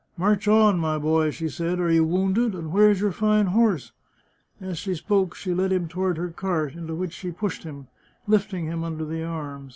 " March on, my boy," she said. " Are you wounded ? and where's your fine horse ?" As she spoke she led him to ward her cart, into which she pushed him, lifting him under the arms.